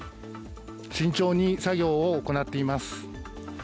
慎重に作業を行っています。